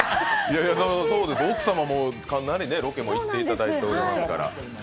奥様もかなりロケも行っていただいておりますから。